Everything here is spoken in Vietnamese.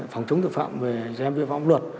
phòng chống tội phạm về giam viên phòng luật